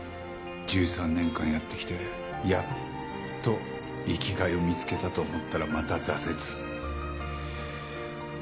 １３年間やってきてやっと生きがいを見つけたと思ったらまた挫折。